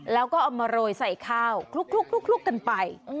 แล้วก็เอามาโรยใส่ข้าวคลุกกันไป